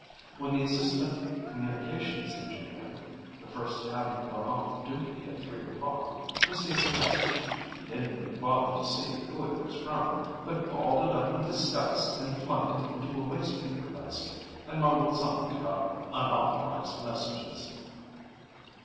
When the Assistant Communications Engineer (the first having gone off duty at three o'clock) received the message, he didn't even bother to see who it was from, but balled it up in disgust and flung it into a wastepaper basket and mumbled something about unauthorized messages.